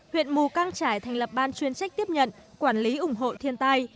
huyện mù căng trải thành lập ban chuyên trách tiếp nhận quản lý ủng hộ thiên tai